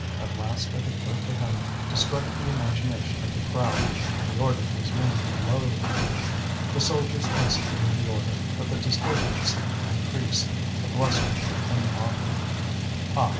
At last it occurred to him to strike the imagination of the crowd, and he ordered his men to load. The soldiers executed the order, but the disturbance increased, the blustering, and the mockery. "Ah!